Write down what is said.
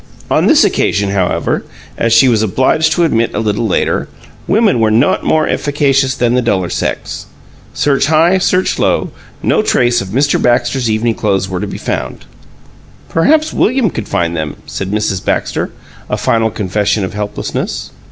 On this occasion, however, as she was obliged to admit a little later, women were not more efficacious than the duller sex. Search high, search low, no trace of Mr. Baxter's evening clothes were to be found. "Perhaps William could find them," said Mrs. Baxter, a final confession of helplessness.